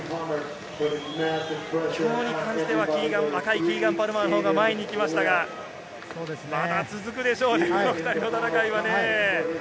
今日に関しては若いキーガン・パルマーのほうが前に行きましたが、まだ続くでしょうね、この２人の戦いは。